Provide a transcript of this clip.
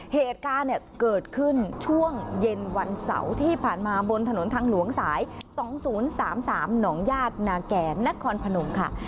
เหตุการณ์เกิดขึ้นช่วงเย็นวันเสาร์ที่ผ่านมาบนถนนทางหลวงสาย๒๐๓๓หนองญาตินาแก่นครพนมค่ะ